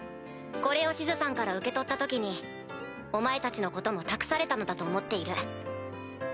これをシズさんから受け取った時にお前たちのことも託されたのだと思っている。